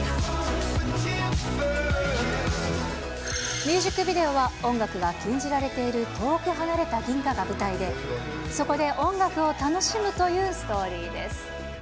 ミュージックビデオは、音楽が禁じられている遠く離れた銀河が舞台で、そこで音楽を楽しむというストーリーです。